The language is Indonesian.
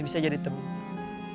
bisa jadi temp disputes